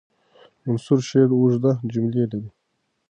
منثور شعر اوږده جملې لري.